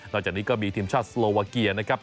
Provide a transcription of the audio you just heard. จากนี้ก็มีทีมชาติสโลวาเกียนะครับ